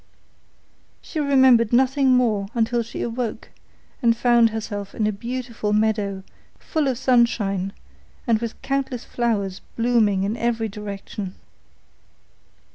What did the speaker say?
She remembered nothing more until she awoke and found herself in a beautiful meadow, full of sunshine, and with countless flowers blooming in every direction.